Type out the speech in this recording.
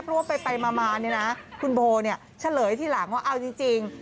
เพราะว่าไปมาเนี่ยนะคุณโบเฉลยทีหลังว่าเอาจริง